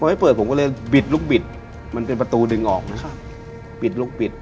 ไม่เปิดผมก็เลยบิดลูกบิดมันเป็นประตูดึงออกนะครับบิดลูกบิด